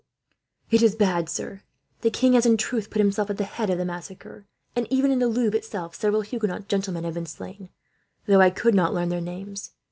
"It is bad, sir. The king has, in truth, put himself at the head of the massacre; and even in the Louvre, itself, several Huguenot gentlemen have been slain, though I could not learn their names.